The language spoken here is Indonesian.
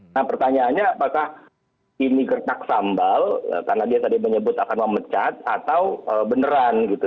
nah pertanyaannya apakah ini gertak sambal karena dia tadi menyebut akan memecat atau beneran gitu